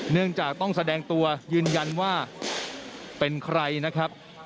เนื่องจากต้องแสดงตัวยืนยันว่าเป็นใครนะครับ